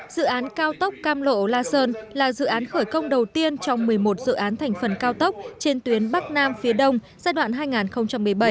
dự án cao tốc cam lộ la sơn là dự án khởi công đầu tiên trong một mươi một dự án thành phần cao tốc trên tuyến bắc nam phía đông giai đoạn hai nghìn một mươi sáu hai nghìn hai mươi